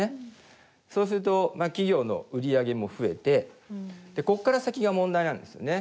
そうするとまあ企業の売り上げも増えてでこっから先が問題なんですよね。